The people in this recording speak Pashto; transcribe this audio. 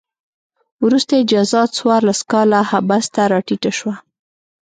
وروسته یې جزا څوارلس کاله حبس ته راټیټه شوه.